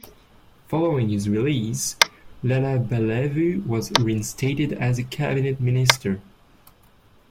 Following his release, Lalabalavu was reinstated as a Cabinet Minister.